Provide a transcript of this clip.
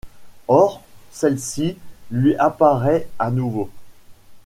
Or celle-ci lui apparaît à nouveau.